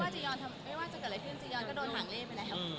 ไม่ว่าจะเกิดอะไรขึ้นจริงก็โดนถังเล่นไปแล้ว